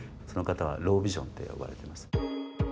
その方はロービジョンって呼ばれてます。